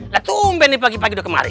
lah tumpen nih pagi pagi udah kemarin